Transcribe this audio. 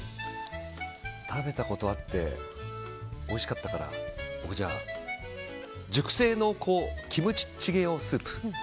食べたことあっておいしかったから僕、熟成濃厚キムチチゲ用スープ。